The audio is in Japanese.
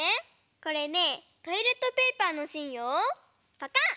これねトイレットペーパーのしんをぱかん！